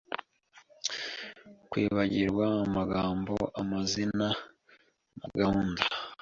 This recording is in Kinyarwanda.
Kwibagirwa amagambo, amazina na gahunda